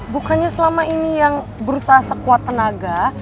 bukannya selama ini yang berusaha sekuat tenaga